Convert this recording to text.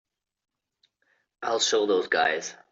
I'll show those guys.